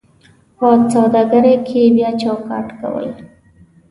په سوداګرۍ کې بیا چوکاټ کول: